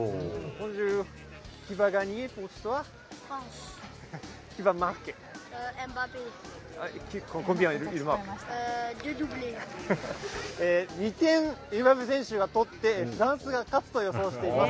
２点エムバペ選手が取ってフランスが勝つと予想しています。